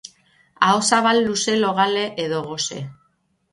Ahozabal luze logale edo gose.